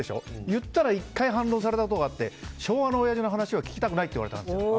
言ったら１回反論されたことがあって昭和のおやじの話は聞きたくないって言われたんですよ。